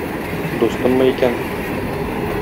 Дустыммы икән?